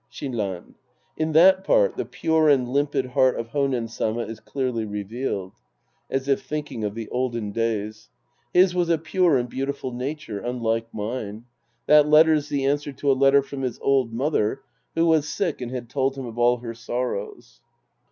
Shinran. In that part, the pure and limpid heart of Honen Sama is clearly revealed. {^As if thinking of the olden days.) His was a pure and beautiful nature. Unlike mine. That letter's the answer to a letter from his old mother, who was sick and had told him of all her sorrows.